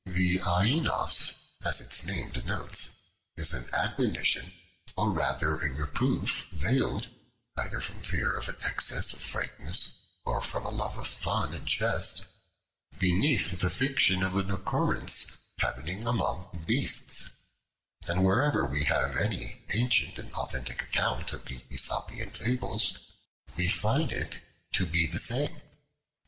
The 'ainos,' as its name denotes, is an admonition, or rather a reproof veiled, either from fear of an excess of frankness, or from a love of fun and jest, beneath the fiction of an occurrence happening among beasts; and wherever we have any ancient and authentic account of the Aesopian fables, we find it to be the same."